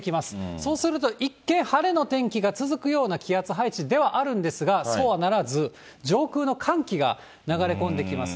そうしますと、一見晴れの天気が続くような気圧配置ではあるんですが、そうはならず、上空の寒気が流れ込んできます。